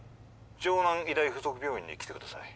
☎城南医大付属病院に来てください